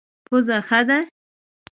پوزه ښه ده.